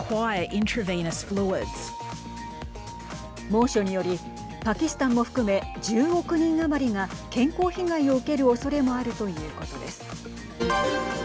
猛暑により、パキスタンも含め１０億人余りが健康被害を受けるおそれもあるということです。